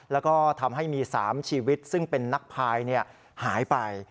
แล้วก็ทำให้มี๓ชีวิตซึ่งเป็นนักพายหายไป